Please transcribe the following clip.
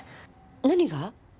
何が？